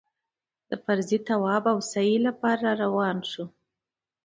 د فرضي طواف او سعيې لپاره راروان شوو.